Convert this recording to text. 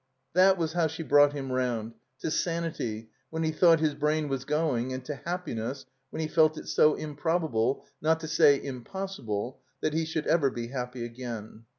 That was how she brought him round, to sanity when he thought his brain was going and to happi ness when he felt it so improbable, not to say im possible» that he should ever be happy again.